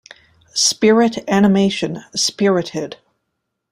Spirit animation Spirited.